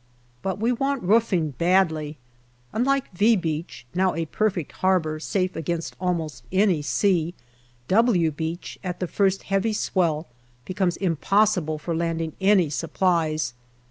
But we want roofing badly. Unlike " V " Beach, now a perfect harbour, safe against almost any sea, " W " Beach at the first heavy swell becomes impossible for landing any supplies.